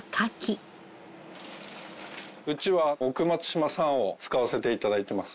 うちは奥松島産を使わせて頂いてます。